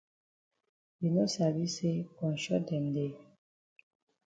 You no sabi say konshot dem dey?